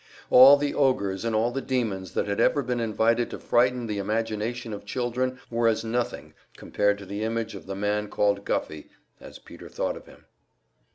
All the ogres and all the demons that had ever been invented to frighten the imagination of children were as nothing compared to the image of the man called Guffey, as Peter thought of him.